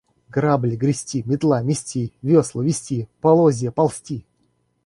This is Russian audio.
Грабли – грести, метла – мести, весла – везти, полозья – ползти.